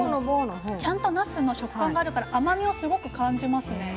ちゃんとなすの食感があるから甘みをすごく感じますね。